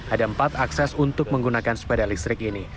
ada empat akses untuk menggunakan sepeda listrik ini